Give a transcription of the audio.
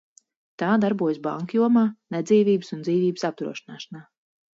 Tā darbojas banku jomā, nedzīvības un dzīvības apdrošināšanā.